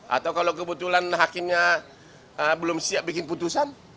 atau kalau kebetulan hakimnya belum siap bikin putusan